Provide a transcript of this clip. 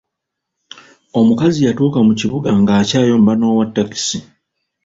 Omukazi yatuuka mu kibuga ng'akyayomba n'owa takisi.